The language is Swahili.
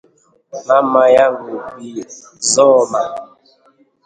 Mama yangu Bi Zoma